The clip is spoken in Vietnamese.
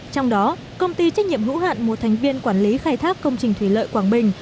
trong đó công ty trách nhiệm hữu hạn một thành viên quản lý khai thác công trình thủy lợi quảng bình